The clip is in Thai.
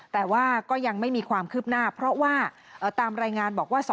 แต่ว่าก็ยังไม่มีความคืบหน้าเพราะว่าตามรายงานบอกว่า